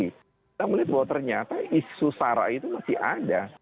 kita melihat bahwa ternyata isu sara itu masih ada